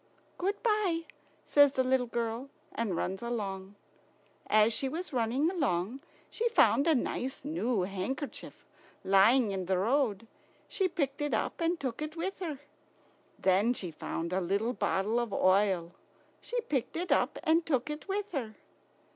"Good bye," says the little girl, and runs along. As she was running along she found a nice new handkerchief lying in the road. She picked it up and took it with her. Then she found a little bottle of oil. She picked it up and took it with her.